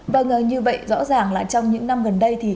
và ngờ như vậy rõ ràng là trong những năm gần đây